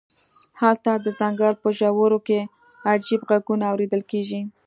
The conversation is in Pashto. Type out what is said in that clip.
هلته د ځنګل په ژورو کې عجیب غږونه اوریدل کیږي